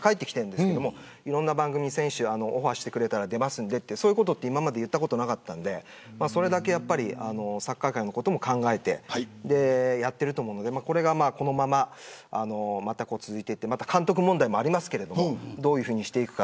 いろんな番組に選手オファーしてくれたら出ますとそういうことは今まで言ったことがなかったのでそれだけ、サッカー界のことも考えてやっていると思うのでこれが、このままずっと続いて監督問題もありますけどどういうふうにしていくか。